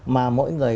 mà mỗi người